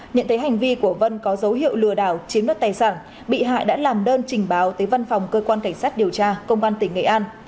nhận thấy hành vi của vân có dấu hiệu lừa đảo chiếm đất tài sản bị hại đã làm đơn trình báo tới văn phòng cơ quan cảnh sát điều tra công an tỉnh nghệ an